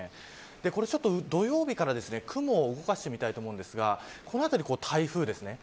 これちょっと土曜日から雲を動かしてみたいと思うんですがこのあたり、台風ですね。